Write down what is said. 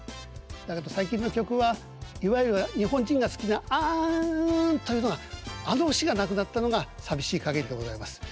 だけど最近の曲はいわゆる日本人が好きな「あぁん」というのがあの節がなくなったのがさびしい限りでございます。